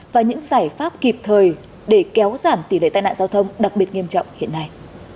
và những giải pháp kịp thời để kéo giảm tỷ lệ tai nạn giao thông đặc biệt nghiêm trọng hiện nay